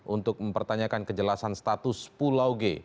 untuk mempertanyakan kejelasan status pulau g